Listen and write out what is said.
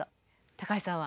高橋さんは？